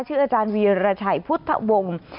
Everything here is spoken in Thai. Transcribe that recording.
อาจารย์วีรชัยพุทธวงศ์